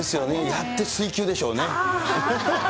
やって水球でしょうね。